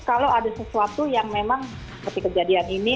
kalau ada sesuatu yang memang seperti kejadian ini